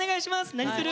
何する？